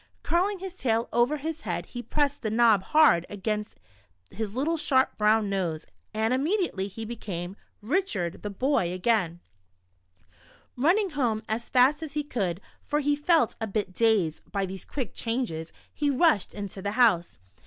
Curling his tail over his head, he pressed the knob hard against his little sharp brow^n nose, and immediately he became — Richard — the boy, again. Running home as fast as he could, for he felt What the Squirrel Did for Richard. 103 a bit dazed by these quick changes, he rushed into the house.